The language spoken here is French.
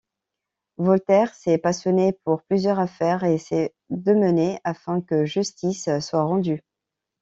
Voltaire s’est passionné pour plusieurs affaires et s’est démené afin que justice soit rendue.